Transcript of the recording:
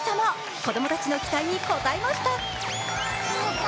子供たちの期待に応えました。